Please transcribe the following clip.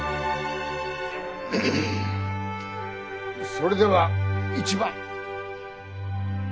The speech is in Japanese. それでは一番。